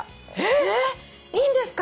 「『えっいいんですか！？